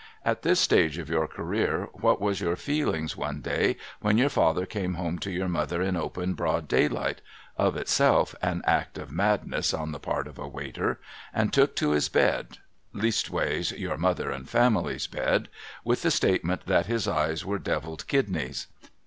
At this stage of your career, what was your feelings one day when your father came home to your mother in open broad daylight, — of itself an act of Madness on the part of a Waiter, — and took to his bed (leastwise, your mother and family's bed), with the statement that his eyes were devilled kidneys.